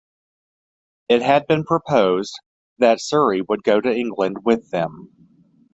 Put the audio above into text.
It had been proposed that Sirey would go to England with them.